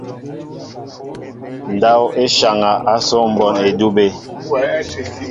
Ndáw e nsháŋa asó mbón edube.